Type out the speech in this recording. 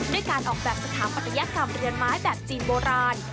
ด้วยการออกแบบสถาปัตยกรรมเรือนไม้แบบจีนโบราณ